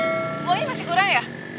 buangnya masih kurang ya